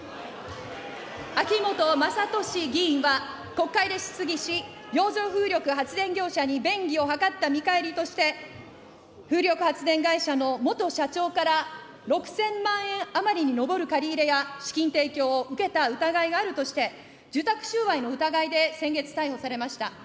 秋本真利議員は、国会で質疑し、洋上風力発電業者に便宜を図った見返りとして、風力発電会社の元社長から６０００万円余りに上る借り入れや資金提供を受けた疑いがあるとして、受託収賄の疑いで先月、逮捕されました。